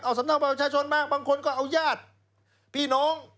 เอาสำเน่าบัตรประชาชนมากบางคนก็เอายาดพี่น้อง